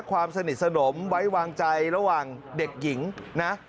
ความสนิทสนมไว้วางใจระหว่างเด็กหญิงนะ